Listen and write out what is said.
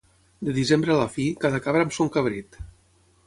De desembre a la fi, cada cabra amb son cabrit.